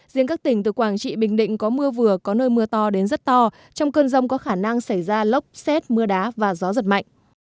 riêng các tỉnh từ quảng trị bình định có mưa vừa có nơi mưa to đến rất to trong cơn rông có khả năng xảy ra lốc xét mưa đá và gió giật mạnh